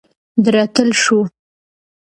د رټل شوو